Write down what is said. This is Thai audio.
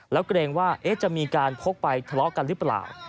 แล้วเกรงว่าจะมีการพกไปทะเลาะกันหรือเปล่า